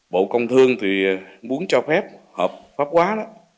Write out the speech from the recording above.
bộ công thương thì muốn cho phép hợp pháp hóa đó